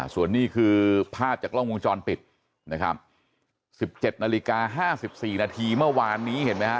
ส่วนนี้คือภาพจากล้องวงจรปิดนะครับสิบเจ็ดนาฬิกาห้าสิบสี่นาทีเมื่อวานนี้เห็นไหมฮะ